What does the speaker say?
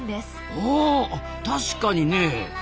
お確かにね。